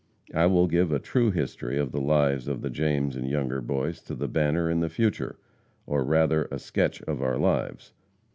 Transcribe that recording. I will give a true history of the lives of the James and Younger Boys to the Banner in the future; or rather a sketch of our lives.